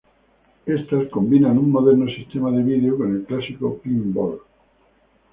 Estas combinan un moderno sistema de vídeo con el clásico pinball.